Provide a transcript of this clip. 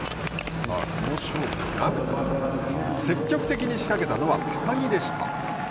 さあ、この勝負ですが積極的に仕掛けたのは高木でした。